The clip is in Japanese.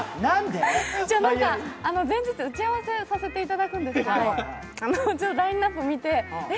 前日、打ち合わせをさせていただくんですけど、ラインナップを見て、え？